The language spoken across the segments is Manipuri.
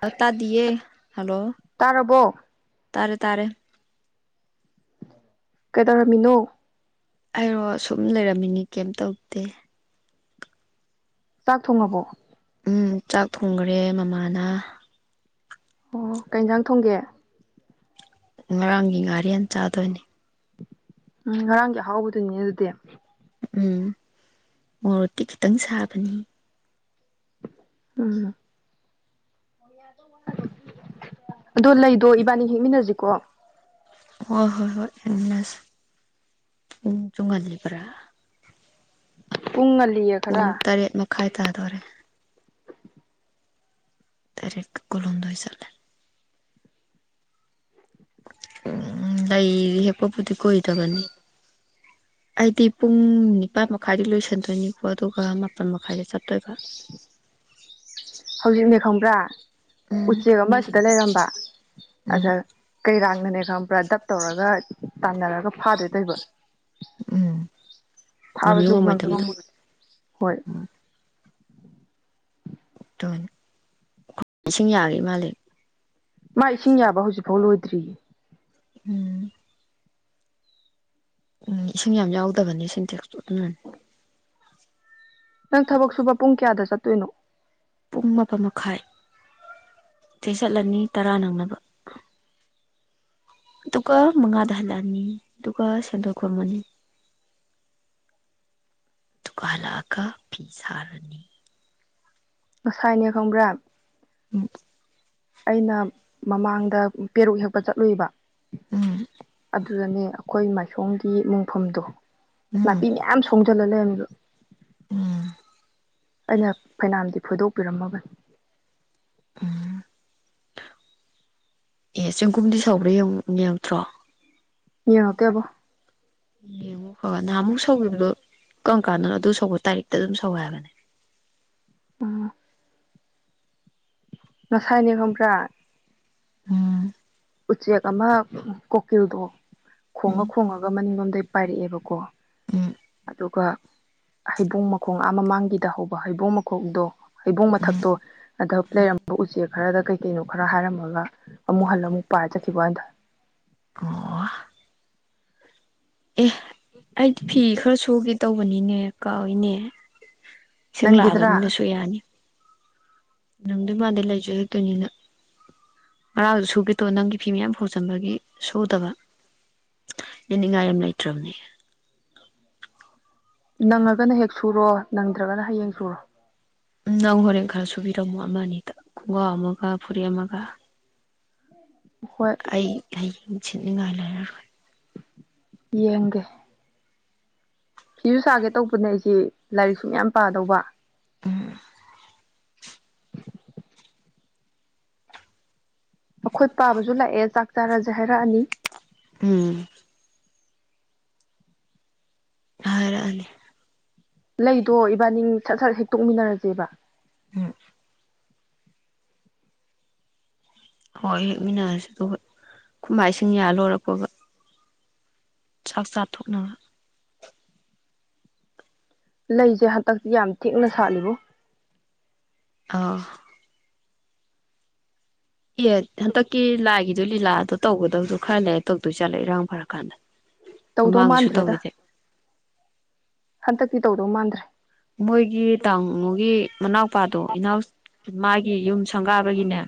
ꯍꯇꯥꯗꯤꯌꯦ ꯍꯜꯂꯣ ꯇꯥꯔꯕꯣ ꯇꯥꯔꯦ ꯇꯥꯔꯦ ꯀꯩꯗꯧꯔꯝꯃꯤꯅꯣ ꯑꯩꯔꯣ ꯁꯨꯝ ꯂꯩꯔꯝꯃꯤꯅꯤ ꯀꯩꯝ ꯇꯧꯗꯦ ꯆꯥꯛ ꯊꯣꯡꯉꯕꯣ ꯎꯝ ꯆꯥꯛ ꯊꯣꯡꯈꯔꯦ ꯃꯃꯥꯅ ꯑꯣ ꯀꯩꯌꯦꯟꯖꯥꯡ ꯊꯣꯡꯒꯦ ꯉꯔꯥꯡꯒꯤ ꯉꯥꯔꯦꯟ ꯆꯥꯗꯣꯏꯅꯦ ꯎꯝ ꯉꯔꯥꯡꯒꯤ ꯑꯍꯥꯎꯕꯗꯨꯅꯤꯅꯦ ꯑꯗꯨꯗꯤ ꯎꯝ ꯃꯣꯔꯣꯇꯤ ꯈꯤꯇꯪ ꯁꯥꯕꯅꯤ ꯑꯝ [inaudible] ꯑꯗꯣ ꯂꯩꯗꯣ ꯏꯕꯥꯅꯤ ꯍꯦꯛꯃꯤꯟꯅꯁꯤꯀꯣ ꯍꯣꯏ ꯍꯣꯏ ꯍꯣꯏꯟꯅ ꯎ ꯆꯣꯡꯒꯥꯜꯂꯤꯕꯔ [inaudible] ꯄꯨꯡ ꯉꯜꯂꯤꯌꯦ ꯄꯨꯡ ꯈꯔ ꯇꯔꯦꯠ ꯃꯈꯥꯏ ꯇꯥꯗꯣꯔꯦ ꯇꯔꯦꯠꯀꯥ ꯀꯨꯟꯍꯨꯝꯗꯣꯏ ꯆꯠꯂꯦ ꯎꯝ ꯂꯩ ꯍꯦꯛꯄꯕꯨꯗꯤ ꯀꯨꯏꯗꯕꯅꯤ ꯑꯩꯗꯤ ꯄꯨꯡ ꯅꯤꯄꯥꯥꯟ ꯃꯈꯥꯏꯗꯤ ꯂꯣꯏꯁꯤꯟꯗꯣꯏꯅꯤꯀꯣ ꯑꯗꯣ ꯒ ꯃꯥꯄꯟ ꯃꯈꯥꯏꯗ ꯆꯠꯇꯣꯏꯕ ꯍꯧꯖꯤꯛꯅꯦ ꯈꯪꯕ꯭ꯔꯥ ꯎꯝ ꯎꯆꯦꯛ ꯑꯃ ꯁꯤꯗ ꯂꯩꯔꯝꯕ ꯎꯝ ꯑꯗ ꯀꯩꯔꯥꯡꯅꯅꯦ ꯈꯪꯕ꯭ꯔꯥ ꯗꯞ ꯇꯧꯔꯒ ꯄꯟꯅꯔꯛ ꯐꯥꯗꯦ ꯇꯥꯏꯕ ꯎꯝ ꯉꯝꯁꯨ ꯐꯔꯖꯨ ꯅꯖ ꯉꯝꯃꯣꯏꯗꯕꯗꯣ [unintelligible] ꯍꯣꯏ ꯑꯗꯨꯅꯤ ꯏꯁꯤꯡ ꯌꯔꯤ ꯃꯥꯜꯂꯦ ꯃꯥ ꯏꯁꯤꯡ ꯌꯥꯕ ꯍꯧꯖꯤꯛꯐꯥꯎ ꯂꯣꯏ ꯊ꯭ꯔꯤ ꯎꯝ ꯎꯝ ꯏꯁꯤꯡ ꯌꯥꯝ ꯌꯥꯎꯗꯕꯅꯦ ꯁꯤꯟꯇꯦꯛꯁꯇꯣ ꯑꯗꯨꯅꯅꯤ ꯅꯪ ꯊꯕꯛ ꯁꯨꯕ ꯄꯨꯡ ꯀꯌꯥꯗ ꯆꯠꯇꯣꯏꯅꯣ ꯄꯨꯡ ꯃꯥꯄꯟ ꯃꯈꯥꯏ [unintelligible] ꯆꯥꯠꯂꯅꯤ ꯇꯔꯥ ꯅꯪꯅꯕ ꯑꯗꯨꯒ ꯃꯉꯥꯗ ꯍꯜꯂꯛꯑꯅꯤ ꯑꯗꯨꯒ [unintelligible] ꯁꯦꯟꯗꯣꯛ ꯈꯃꯅꯤ ꯑꯗꯨꯒ ꯍꯜꯂꯛꯑꯒ ꯐꯤ ꯁꯥꯔꯅꯤ ꯁꯥꯏꯅꯦ ꯈꯪꯕ꯭ꯔꯥ ꯎꯝ ꯑꯩꯅ ꯃꯃꯥꯡꯗ ꯄꯦꯔꯨꯛ ꯍꯦꯛ ꯆꯠꯂꯨꯌꯦꯕ ꯎꯝ ꯑꯗꯨꯗꯅꯦ ꯑꯩꯈꯣꯏ ꯃꯥꯏꯁꯣꯝꯒꯤ ꯃꯨꯡꯐꯝꯗꯣ ꯎꯝ ꯅꯥꯄꯤ ꯃꯌꯥꯝ ꯁꯣꯡꯖꯜꯂ ꯂꯩꯔꯝꯃꯤꯕ ꯎꯝ ꯑꯩꯅ ꯐꯩꯅꯥꯝꯗꯤ ꯐꯣꯏꯗꯣꯛꯄꯤꯔꯝꯃꯒꯅꯤ ꯎꯝ ꯑꯦ ꯆꯦꯡꯒꯨꯝꯗꯤ ꯁꯧꯕ꯭ꯔꯥ ꯌꯦꯡꯛꯇ꯭ꯔꯣ ꯌꯦꯡꯉꯛꯇꯦꯕꯣ ꯅꯥꯍꯟꯃꯨꯛꯁꯨ ꯁꯧꯈꯤꯕꯗꯨꯣ ꯀꯔꯝ ꯀꯥꯟꯗꯅꯣ ꯑꯗꯨ ꯁꯧꯕ ꯇꯥꯔꯤꯛꯇ ꯑꯗꯨꯝ ꯁꯧꯋꯦ ꯍꯥꯏꯕꯅꯤ ꯎꯝ ꯉꯁꯥꯏꯅꯦ ꯈꯣꯕ꯭ꯔꯥ ꯑꯝ ꯎꯆꯦꯛ ꯑꯃ ꯀꯣꯀꯤꯜꯗꯣ ꯈꯣꯡꯉ ꯎꯝ ꯈꯣꯡꯉꯒ ꯃꯅꯤꯡꯂꯣꯝꯗꯩ ꯄꯥꯏꯔꯛꯑꯦꯕꯀꯣ ꯎꯝ ꯑꯗꯨꯒ ꯍꯩꯕꯣꯡ ꯃꯈꯣꯡ ꯑ ꯃꯃꯥꯡꯒꯤꯗ ꯍꯧꯕ ꯍꯩꯕꯣꯡ ꯃꯈꯣꯛꯇꯣ ꯍꯩꯕꯣꯡ ꯃꯊꯛꯇꯣ ꯑ ꯂꯩꯔꯝꯕ ꯎꯆꯦꯛ ꯈꯔꯗ ꯀꯩꯀꯩꯅꯣ ꯈꯔ ꯍꯥꯏꯔꯝꯃꯒ ꯑꯃꯨꯛ ꯍꯜꯂꯂꯝ ꯑꯃꯨꯛ ꯄꯥꯏ ꯆꯥꯠꯈꯤꯕꯅꯤꯗ [unintelligible] ꯑꯦ ꯑꯩꯗꯤ ꯐꯤ ꯈꯔ ꯁꯨꯒꯦ ꯇꯧꯕꯅꯤꯅꯦ ꯀꯥꯎꯏꯅꯦ [inaudible] ꯏꯁꯤꯡ ꯅꯪꯒꯤꯗ꯭ꯔꯥ ꯂꯥꯛꯑꯕꯅꯤꯅ ꯁꯨ ꯌꯥꯅꯤ꯫ ꯅꯪꯗꯣꯏ ꯃꯥꯥꯟꯗꯩ ꯂꯩꯖꯨꯂꯩꯇꯅꯤꯅ ꯉꯔꯥꯡꯗꯣ ꯁꯨꯒꯦ ꯇꯧꯔꯒ ꯅꯪꯒꯤ ꯐꯤ ꯃꯌꯥꯝ ꯐꯥꯎꯖꯟꯕꯒꯤ ꯁꯨꯗꯕ ꯌꯦꯅꯤꯡꯉꯥꯏ ꯑꯝ ꯂꯩꯇ꯭ꯔꯕꯅꯦ꯫ ꯅꯪꯉꯒꯅ ꯍꯦꯛ ꯁꯨꯔꯣ꯫ ꯅꯪꯗ꯭ꯔꯒꯅ ꯍꯌꯦꯡ ꯁꯨꯔꯣ꯫ ꯅꯪ ꯍꯣꯔꯦꯟ ꯈꯔ ꯁꯨꯕꯤꯔꯝꯃꯣ ꯑꯃꯅꯤꯗ ꯈꯣꯡꯒꯥꯎ ꯑꯃꯒ ꯐꯨꯔꯤꯠ ꯑꯃꯒ꯫ ꯍꯣꯏ ꯑꯩ ꯑꯩ ꯁꯦꯠꯅꯤꯡꯉꯥꯏ ꯂꯩꯔꯔꯣꯏ꯫ ꯌꯦꯡꯒꯦ꯫ ꯐꯤꯁꯨ ꯁꯥꯒꯦ ꯇꯧꯕꯅꯦ ꯑꯩꯁꯦ ꯂꯥꯏꯔꯤꯛꯁꯨ ꯃꯌꯥꯝ ꯄꯥꯗꯧꯕ꯫ ꯑꯈꯣꯏ ꯄꯥꯕꯁꯨ ꯂꯥꯛꯑꯦ ꯆꯥꯛ ꯆꯥꯔꯁꯦ ꯍꯥꯏꯔꯛꯑꯅꯤ꯫ ꯎꯝ ꯍꯥꯢꯔꯑꯅꯤ꯫ ꯂꯩꯗꯣ ꯏꯕꯥꯅꯤ ꯁꯠ ꯁꯠ ꯇꯣꯛꯃꯤꯟꯅꯔꯁꯦꯕ꯫ ꯎꯝ꯫ ꯍꯣꯏ ꯍꯦꯛꯃꯤꯟꯅꯔꯁꯤ ꯍꯣ ꯍꯣꯏ ꯈꯨꯃꯥꯏ ꯁꯤꯡ ꯌꯥ ꯂꯣꯏꯔꯛꯄꯒ꯫ ꯆꯥꯛ ꯆꯥꯊꯣꯛꯅꯕ ꯂꯩꯖꯦ ꯍꯇꯛ ꯌꯥꯝ ꯊꯤꯅ ꯁꯥꯠꯂꯤꯕꯨ꯫ ꯑꯥ꯫ ꯑꯦ ꯍꯟꯗꯛꯀꯤ ꯂꯥꯏ ꯑꯗꯨ ꯂꯤꯂꯥꯗꯣ ꯇꯧꯕ ꯇꯧꯁꯨ ꯈꯔ ꯇꯧꯗꯣꯏꯁꯤ ꯆꯠꯂꯦ ꯏꯔꯥꯡ ꯐꯔ ꯀꯥꯟꯗ꯫ ꯇꯧꯗꯧ ꯃꯃꯥꯡꯒꯤꯁꯨ ꯃꯥꯟꯗ꯭ꯔꯦꯗ ꯇꯧꯒꯤꯗꯦ꯫ ꯍꯟꯗꯛꯇꯤ ꯇꯧꯗꯧ ꯃꯥꯟꯗ꯭ꯔꯦ ꯃꯣꯏꯒꯤ ꯇꯥꯃꯣꯒꯤ ꯃꯅꯥꯎꯄꯥꯗꯣ ꯏꯅꯥꯎ ꯃꯥꯒꯤ ꯌꯨꯝ ꯁꯪꯒꯥꯕꯒꯤꯅꯦ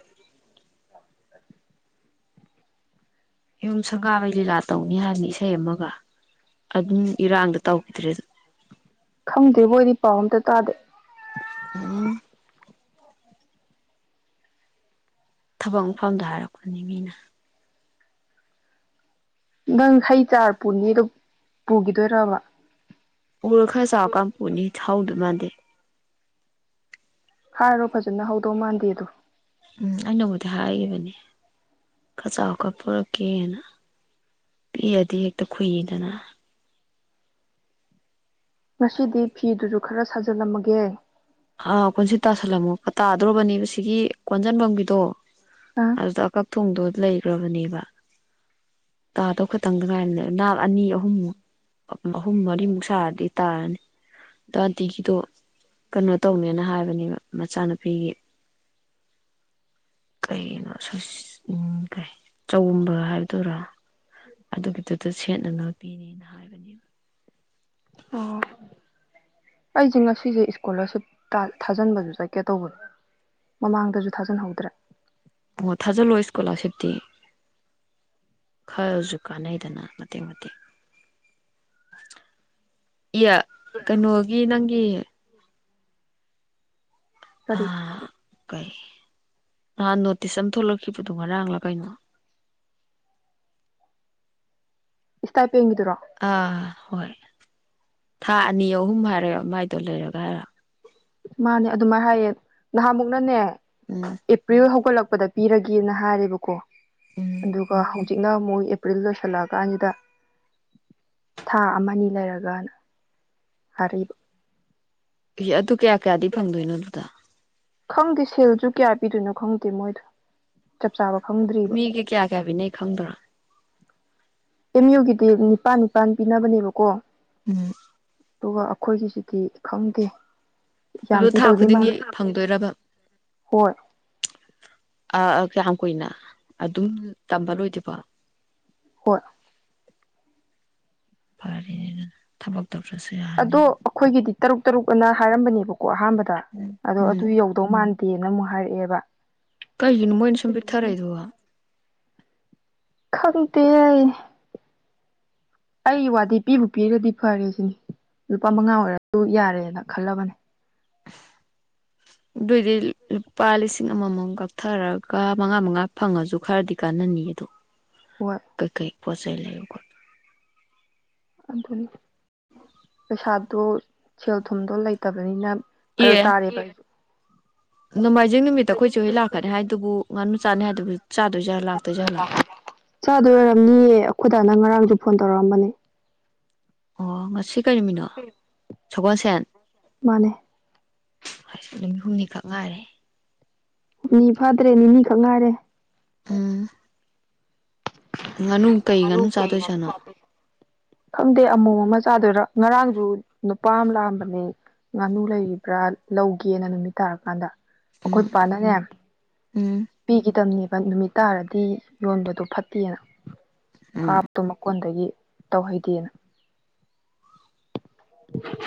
ꯌꯨꯝ ꯁꯪꯒꯥꯕꯩ ꯂꯤꯂꯥ ꯇꯧꯅꯤ ꯍꯥꯏꯕꯅꯤ ꯏꯁꯩ ꯑꯃꯒ ꯑꯗꯨꯝ ꯏꯔꯥꯡꯗ ꯇꯧꯈꯤꯗ꯭ꯔꯦ ꯗꯨꯝ ꯈꯪꯗꯦꯕꯣ ꯑꯩꯗꯤ ꯄꯥꯎ ꯑꯝꯇ ꯇꯥꯗꯦ꯫ ꯎꯝ꯫ ꯊꯕꯛ ꯃꯐꯝꯗ ꯍꯥꯏꯔꯛꯄꯅꯤ ꯃꯤꯅ꯫ ꯅꯪ ꯍꯩ ꯆꯥꯔ ꯄꯨꯅꯤꯗꯨ ꯄꯨꯈꯤꯗꯣꯏꯔꯕ꯫ ꯎ ꯈꯔ ꯆꯥꯎꯔꯀꯥꯟ ꯄꯨꯅꯤ ꯍꯧꯗꯨ ꯃꯥꯟꯗꯦ [unintelligible] ꯍꯥꯏꯔꯣ ꯐꯖꯅ ꯍꯧꯗꯧ ꯃꯥꯟꯗꯦꯗꯣ꯫ ꯎꯝ ꯑꯩꯅꯕꯨꯗꯤ ꯍꯥꯏꯈꯤꯕꯅꯤ ꯈꯔ ꯆꯥꯎ ꯈꯔ ꯄꯨꯔꯛꯀꯦꯅ ꯄꯤꯛꯑꯗꯤ ꯍꯦꯛꯇ ꯈꯨꯨꯏꯗꯅ꯫ ꯉꯁꯤꯗꯤ ꯐꯤꯗꯨꯁꯨ ꯈꯔ ꯁꯥꯖꯤꯜꯂꯝꯃꯒꯦ ꯑ ꯀꫭꯜꯁꯤ ꯇꯥꯁꯂꯝꯃꯒ ꯇꯥꯗ꯭ꯔꯣꯕꯅꯦꯕ ꯁꯤꯒꯤ ꯀꯣꯟꯖꯟꯕꯝꯒꯤꯗꯣ ꯑ [unintelligible] [unintelligible] ꯂꯩꯈ꯭ꯔꯕꯅꯦꯕ ꯇꯥꯗꯧ ꯈꯛꯇꯪꯗ ꯉꯥꯏꯔꯅꯦ ꯅꯥꯛ ꯑꯅꯤ ꯑꯍꯨꯝꯃꯨꯛ ꯑꯍꯨꯝ ꯃꯔꯤꯃꯨꯛ ꯁꯥꯔꯗꯤ ꯇꯥꯔꯅꯤ ꯑꯟꯇꯤꯒꯤꯗꯣ ꯀꯩꯅꯣ ꯇꯧꯅꯦꯅ ꯍꯥꯏꯕꯅꯦꯕ ꯃꯆꯥꯅꯨꯄꯤꯒꯤ ꯀꯩꯩꯅꯣ ꯀꯩ ꯆꯥꯎꯝꯕ ꯍꯥꯏꯗꯧꯔꯥ ꯑꯗꯨꯒꯤꯗꯨꯗ ꯁꯦꯠꯅꯅꯕꯒꯤ ꯑꯣ ꯑꯩꯁꯦ ꯉꯁꯤꯁꯦ ꯏꯁꯀꯣꯂꯔꯁꯤꯞ ꯊꯥꯖꯤꯟꯕꯁꯨ ꯆꯠꯀꯦ ꯇꯧꯕꯅꯦ ꯃꯃꯥꯡꯗꯁꯨ ꯊꯥꯖꯟꯍꯧꯗ꯭ꯔꯦ ꯑꯣ ꯊꯥꯖꯜꯂꯣ ꯏꯁꯀꯣꯂꯔꯁꯤꯞꯇꯤ ꯈꯔꯁꯨ ꯀꯥꯟꯅꯩꯗꯅ ꯃꯇꯦꯛ ꯃꯇꯦꯛ ꯏ ꯀꯩꯅꯣꯒꯤ ꯅꯪꯒꯤ ꯀꯔꯤ ꯀꯩ ꯅꯍꯥꯟ ꯅꯣꯇꯤꯁ ꯑꯃ ꯊꯣꯛꯂꯛꯈꯤꯕꯗꯣ ꯉꯔꯥꯡꯂ ꯀꯩꯅꯣ ꯏꯁꯇꯥꯏꯄꯦꯟꯒꯤꯗꯨꯔꯣ ꯑꯥ ꯍꯣꯏ ꯊꯥ ꯑꯅꯤ ꯑꯍꯨꯝ ꯍꯥꯏꯔꯒ ꯃꯥꯏꯗꯣ ꯂꯩꯔꯒ ꯍꯥꯏꯔ ꯃꯥꯅꯦ ꯑꯗꯨꯃꯥꯏꯅ ꯍꯥꯏꯌꯦ ꯅꯍꯥꯟꯃꯨꯛꯅꯅꯦ ꯎꯝ ꯑꯦꯄ꯭ꯔꯤꯜ ꯍꯧꯒꯠꯂꯛ ꯄꯗ ꯄꯤꯔꯒꯦꯅ ꯍꯥꯏꯔꯦꯕꯀꯣ ꯎꯝ ꯑꯗꯨꯒ ꯍꯧꯖꯤꯛꯅ ꯃꯣꯏ ꯑꯦꯄ꯭ꯔꯤꯜ ꯂꯣꯏꯁꯜꯂꯛꯑꯀꯥꯟꯒꯤꯗ ꯊꯥ ꯑꯃꯅꯤ ꯂꯩꯔꯒ [unintelligible] ꯑꯦ ꯑꯗꯨ ꯀꯌꯥ ꯀꯌꯥꯗꯤ ꯐꯪꯗꯣꯏꯅꯣ ꯑꯗꯨꯗ ꯈꯪꯗꯦ ꯁꯦꯜꯁꯨ ꯀꯌꯥ ꯄꯤꯗꯣꯏꯅꯣ ꯈꯪꯗꯦ ꯃꯣꯏꯗꯨ ꯃꯤꯒꯤ ꯀꯌꯥ ꯀꯌꯥꯕꯤꯅꯩ ꯈꯪꯗꯔꯣ ꯑꯝꯃꯤꯌꯨꯒꯤ ꯅꯤꯄꯥꯟ ꯅꯤꯄꯥꯟ ꯄꯤꯅꯕꯅꯦꯕ ꯀꯣ ꯎꯝ ꯑꯗꯨꯒ ꯑꯈꯣꯏꯒꯤꯁꯤꯗꯤ ꯈꯪꯗꯦ ꯌꯥꯝ ꯑꯗꯨ ꯊꯥ ꯄꯤꯗꯧꯗꯤ ꯈꯨꯗꯤꯡꯒꯤ ꯃꯥꯟꯗꯦ ꯐꯪꯗꯣꯏꯔꯕ ꯍꯣꯏ ꯑ ꯀꯌꯥꯝ ꯀꯨꯏꯅ ꯑꯗꯨꯝ ꯇꯝꯕ ꯂꯣꯏꯗꯦꯕꯣ ꯍꯣꯏ ꯐꯔꯅꯦ ꯊꯕꯛ ꯇꯧꯗ꯭ꯔꯁꯨ ꯑꯗꯣ ꯌꯥꯔꯅꯤ ꯑꯩꯈꯣꯏꯒꯤꯗꯤ ꯇꯔꯨꯛ ꯇꯔꯨꯛ ꯑꯅ ꯍꯥꯏꯔꯝꯕꯅꯦꯕꯀꯣ ꯑꯍꯥꯟꯕꯗ ꯑꯗꯣ ꯑꯗꯨ ꯎꯝ ꯌꯧꯗꯧ ꯃꯥꯟ ꯗꯦꯟ ꯑꯃꯨꯛ ꯍꯥꯏꯔꯛꯑꯦꯕ ꯀꯩꯒꯤꯅ ꯃꯣꯏꯅ ꯁꯨꯝ ꯄꯤꯊꯔꯦꯏꯗꯨꯕꯣ ꯈꯪꯗꯦ ꯑꯩ ꯋꯥꯗꯤ ꯄꯤꯕꯨ ꯄꯤꯔꯗꯤ ꯐꯥꯔꯦꯁꯤꯅꯤ ꯂꯨꯄꯥ ꯃꯉꯥ ꯑꯣꯏꯔꯁꯨ ꯌꯥꯔꯦ ꯅ ꯈꯜꯂꯕꯅꯤ ꯑꯗꯨꯏꯗꯤ ꯂꯨꯄꯥ ꯂꯤꯁꯤꯡ ꯑꯃꯃꯝ ꯀꯛꯊꯔꯒ ꯃꯉꯥ ꯃꯉꯥ ꯐꯪꯉꯁꯨ ꯈꯔꯗꯤ ꯀꯥꯟꯅꯅꯤꯌꯦ ꯑꯗꯣ ꯍꯣꯏ ꯀꯩ ꯀꯩ ꯄꯣꯠ [unintelligible] [unintelligible] ꯄꯩꯁꯥꯗꯣ ꯁꯦꯜ ꯊꯨꯝꯗꯣ ꯂꯩꯇꯕꯅꯤꯅ ꯐꯔꯛ ꯑꯦ ꯇꯥꯔꯦꯕ ꯅꯣꯡꯃꯥꯏꯖꯤꯡ ꯅꯨꯃꯤꯠꯇ ꯑꯩꯈꯣꯏꯁꯨ ꯍꯩ ꯂꯥꯛꯀꯅꯤ ꯍꯥꯏꯗꯨꯕꯨ ꯉꯥꯨ ꯆꯥꯅꯤ ꯍꯥꯏꯗꯨꯕꯨ ꯆꯥꯗꯣꯏꯥꯠꯂꯥ ꯂꯥꯛꯇꯣꯏꯖꯥꯠꯂꯥ ꯆꯥꯗꯣꯏ ꯑꯣꯏꯔꯝꯅꯤꯌꯦ ꯑꯩꯈꯣꯏꯗꯥꯅ ꯉꯔꯥꯡꯁꯨ ꯐꯣꯟ ꯇꯧꯔꯛꯑꯝꯕꯅꯤ ꯑꯣ ꯉꯁꯤ ꯀꯔꯤꯃꯤꯅꯣ ꯁꯒꯣꯟ ꯁꯦꯟ ꯃꯥꯅꯦ ꯑ ꯅꯨꯃꯤꯠ ꯍꯨꯝꯅꯤꯈꯛ ꯉꯥꯏꯔꯦ ꯍꯨꯝꯅꯤ ꯐꯥꯗ꯭ꯔꯦ ꯅꯤꯅꯤꯈꯛ ꯉꯥꯏꯔꯦ ꯎꯝ ꯉꯥꯅꯨ ꯀꯩ ꯉꯥꯅꯨ ꯆꯥꯗꯣꯏꯖꯥꯠꯅꯣ [unintelligible] ꯈꯪꯗꯦ ꯑꯃꯣꯝ ꯑꯃ ꯆꯥꯗꯣꯏꯔꯥ ꯉꯔꯥꯡꯖꯨ ꯅꯨꯄꯥ ꯑꯃ ꯂꯥꯑꯝꯕꯅꯦ ꯉꯥꯅꯨ ꯂꯩꯔꯤꯕ꯭ꯔꯥ ꯂꯧꯒꯦꯅ ꯅꯨꯃꯤꯠ ꯇꯥꯔꯀꯥꯟꯗ ꯑꯩꯈꯣꯏ ꯎꯝ ꯄꯥꯂꯅꯦ ꯎꯝ ꯄꯤꯈꯤꯗꯕꯅꯦꯕ ꯅꯨꯃꯤꯠ ꯇꯔꯗꯤ ꯌꯣꯟꯕꯗꯣ ꯐꯠꯇꯦꯅ ꯎꯝ ꯐꯥꯕꯗꯣ ꯃꯀꯣꯟꯗꯒꯤ ꯇꯧꯍꯩꯗꯦꯅ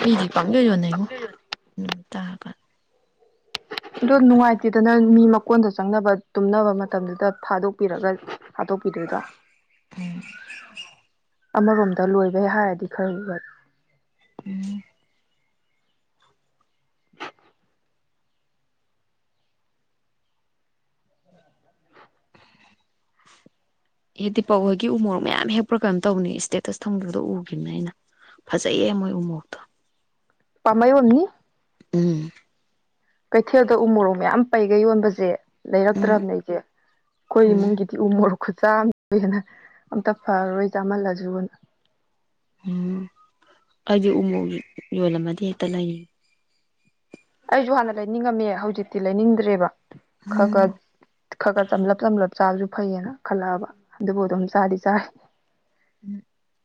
ꯃꯤꯗꯤ ꯄꯥꯡꯌꯣꯟ ꯌꯣꯅꯩꯉꯣ ꯅꯨꯃꯤꯠ ꯇꯥꯔꯀꯥꯟ ꯑꯣ ꯅꯨꯡꯉꯥꯏꯇꯦꯗ ꯅꯪ ꯃꯤ ꯃꯀꯣꯟꯗ ꯆꯪꯅꯕ ꯇꯨꯝꯅꯕ ꯃꯇꯝꯗꯨꯗ ꯊꯥꯗꯣꯛꯄꯤꯔꯒ ꯊꯥꯠꯇꯣꯛꯄꯤꯗꯣꯏꯗꯨ ꯑꯃꯔꯣꯝꯗ ꯂꯣꯏꯕꯩ ꯍꯥꯏꯔꯗꯤ ꯈꯕ [unintelligible] ꯎ ꯑꯦꯗꯤꯄꯛ ꯍꯣꯏꯒꯤ ꯎꯣꯔꯣꯛ ꯃꯌꯥꯝ ꯍꯦꯛꯄ꯭ꯔꯥ ꯀꯩꯅꯝ ꯇꯧꯅꯤ ꯏꯁꯇꯦꯇꯁ ꯊꯪꯗꯕꯗ ꯎꯈꯤꯕꯅꯦ ꯑꯩꯅ ꯐꯖꯩꯌꯦ ꯃꯣꯏ ꯎꯃꯣꯔꯣꯛꯇꯣ ꯄꯥꯃꯛꯏ ꯑꯣꯏꯔꯝꯅꯤ ꯎꯝ ꯀꯩꯊꯦꯜꯗ ꯎ ꯃꯣꯔꯣꯛ ꯃꯌꯥꯝ ꯄꯩꯒ ꯌꯣꯟꯕꯁꯦ ꯎꯝ ꯂꯩꯔꯛꯇ꯭ꯔꯕꯅꯦ ꯑꯩꯁꯦ ꯑꯩꯈꯣꯏ ꯎꯝ ꯏꯃꯨꯡꯒꯤꯗꯤ ꯎ ꯃꯣꯔꯣꯛ ꯈꯨꯠꯁ ꯑ ꯍꯦꯟꯅ ꯑꯝꯇ ꯐꯔꯔꯣꯏ ꯆꯥꯝꯃꯜꯂꯁꯨꯅ ꯎꯝ ꯑꯖꯤ ꯎꯃ ꯌꯣꯜꯂꯃꯗꯤ ꯌꯦꯛꯇ ꯂꯩ ꯑꯩꯁꯨ ꯍꯥꯟꯅ ꯂꯩꯅꯤꯡꯉꯝꯃꯦ ꯍꯧꯖꯤꯛꯇꯤ ꯂꯩꯅꯤꯡꯗ꯭ꯔꯦꯕ ꯎꯝ ꯈꯔ ꯈꯔ ꯆꯝꯂꯛ ꯆꯝꯂꯥꯛ ꯆꯥꯕꯁꯨ ꯐꯩꯌꯦꯅ ꯈꯜꯂꯛꯑꯕ ꯑꯗꯨꯕꯨ ꯑꯗꯨꯝ ꯆꯥꯗꯤ ꯆꯥꯏ [inaudible]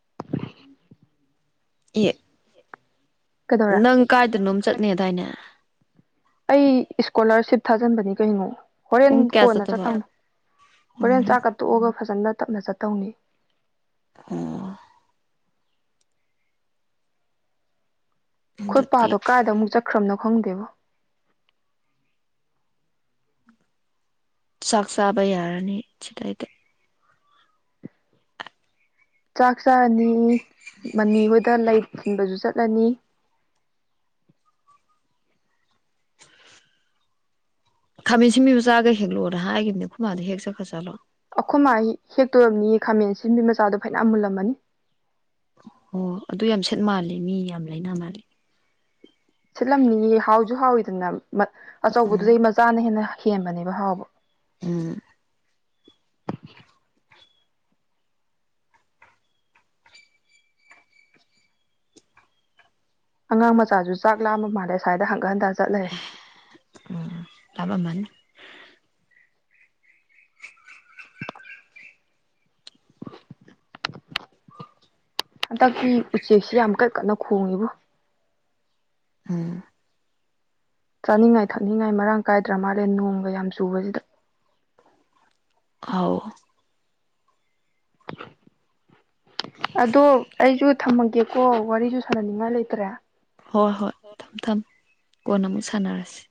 [inaudible] ꯌꯦꯠ ꯀꯩꯗꯧꯔꯦ ꯅꯪ ꯀꯥꯏꯗꯅꯣꯝ ꯆꯠꯅꯤ ꯗꯥꯏꯅꯦ ꯑꯩ ꯏꯁꯀꯣꯂꯥꯔꯁꯤꯞ ꯊꯥꯖꯤꯟꯕꯅꯤ ꯀꯩꯅꯣ ꯍꯣꯔꯦꯟ ꯄꯨꯡ ꯀꯌꯥ ꯀꯣꯟꯅ ꯆꯠꯇꯣꯕ ꯆꯠꯇꯧꯅꯦ ꯍꯣꯔꯦꯟ ꯎꯝ ꯆꯥꯛꯀ ꯇꯣꯛꯑꯒ ꯐꯖꯅ ꯇꯞꯅ ꯆꯠꯇꯧꯅꯤ ꯑꯣ ꯑꯩꯈꯣꯏ ꯑꯗꯨꯗꯤ ꯄꯥꯗꯣ ꯀꯗꯥꯗ ꯑꯃꯨꯛ ꯆꯠꯈ꯭ꯔꯕꯅꯣ ꯈꯪꯉꯗꯦꯕꯣ ꯆꯥꯛ ꯆꯥꯕ ꯌꯥꯔꯅꯤ ꯁꯤꯗꯥꯏꯗꯤ ꯆꯥꯛ ꯆꯥꯔꯅꯤ ꯃꯅꯤ ꯍꯣꯏꯗ ꯂꯩ ꯊꯤꯟꯕꯁꯨ ꯆꯠꯂꯅꯤ ꯈꯥꯃꯦꯟ ꯁꯤꯟꯕꯤ ꯃꯆꯥꯒ ꯍꯦꯛꯂꯛꯑꯣꯅ ꯍꯥꯏꯈꯤꯕꯅꯤ ꯑꯈꯨꯃꯗꯣ ꯍꯦꯛ ꯆꯠꯈꯔ꯭ꯖꯠꯂꯣ ꯑꯈꯃꯥꯥ ꯍꯦꯛꯇꯧ ꯑꯣꯏꯔꯃꯅꯤ ꯈꯥꯃꯦꯟ ꯑꯁꯤꯟꯕꯤ ꯃꯆꯥꯗꯣ ꯐꯖꯅ ꯃꯨꯜꯂꯝꯃꯅꯤ ꯑꯣ ꯑꯗꯨ ꯌꯥꯝ ꯁꯦꯠ ꯃꯥꯜꯂꯤꯦ ꯃꯤ ꯌꯥꯝ ꯂꯩꯅ ꯃꯥꯜꯂꯤ ꯁꯤꯠꯂꯝꯅꯤꯌꯦ ꯍꯥꯎꯁꯨ ꯍꯥꯎꯏꯤꯗꯅ ꯎꯝ ꯑꯆꯧꯕꯗꯨꯗꯩ ꯃꯆꯥꯅ ꯍꯦꯟꯅ ꯍꯦꯟꯕꯅꯦꯕ ꯍꯥꯎꯕ ꯎꯝ ꯑꯉꯥꯡ ꯃꯆꯥꯁꯨ ꯆꯥꯛ ꯂꯥꯃ ꯃꯥꯜꯂꯦ ꯁ꯭ꯥꯏꯏꯗ ꯍꯪꯒꯠ ꯍꯟꯗ ꯆꯠꯂꯦ ꯎꯝ ꯂꯥꯞꯂꯝꯃꯅꯤ ꯍꯟꯗꯛꯇꯤ ꯎꯆꯦꯛꯁꯤ ꯀ ꯀꯟꯅ ꯈꯣꯡꯉꯤꯗꯨꯕꯨ ꯎꯝ ꯆꯥꯅꯤꯉꯥꯏ ꯊꯛꯅꯤꯉꯥꯏ ꯃꯔꯥꯡ ꯀꯥꯏꯗ꯭ꯔ ꯃꯥꯜꯂꯦ ꯅꯣꯡꯒ ꯌꯥꯝ ꯆꯨꯕꯁꯤꯗ ꯍꯥꯎ [unintelligible] ꯑꯗꯣ ꯑꯩꯁꯨ ꯊꯝꯃꯒꯦꯀꯣ ꯋꯥꯔꯤꯁꯨ ꯁꯥꯟꯅꯅꯤꯡꯉꯥꯏ ꯂꯩꯇ꯭ꯔꯦ ꯍꯣꯏ ꯍꯣꯏ ꯊꯝ ꯊꯝ ꯀꯣꯟꯅ ꯑꯃꯨꯛ ꯁꯥꯟꯅꯔꯁꯤ